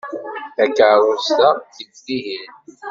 Takeṛṛust-a tif tihin.